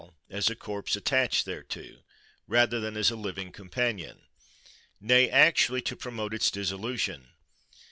as a corpse attached thereto, rather than as a living companion—nay, actually to promote its dissolution.